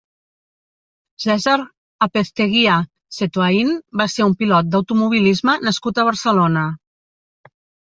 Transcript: Cèsar Apezteguía Setoaín va ser un pilot d'automobilisme nascut a Barcelona.